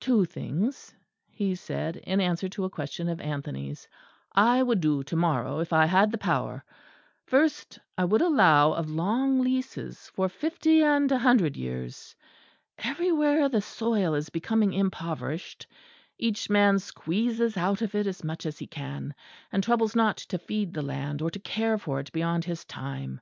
"Two things," he said, in answer to a question of Anthony's, "I would do to morrow if I had the power. First I would allow of long leases for fifty and a hundred years. Everywhere the soil is becoming impoverished; each man squeezes out of it as much as he can, and troubles not to feed the land or to care for it beyond his time.